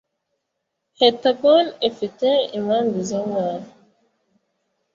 Heptagon Ifite Impande zingahe